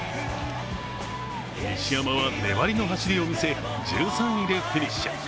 西山は粘りの走りを見せ、１３位でフィニッシュ。